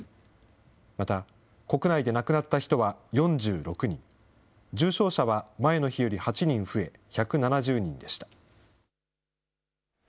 また、国内で亡くなった人は４６人、重症者は前の日より８人増え、１７０人でした。